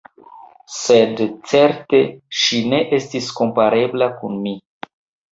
Sed certe, ŝi ne estis komparebla kun mi.